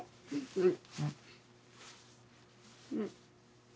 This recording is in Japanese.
うん。